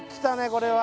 これは。